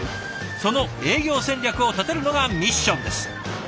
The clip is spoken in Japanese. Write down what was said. その営業戦略を立てるのがミッションです。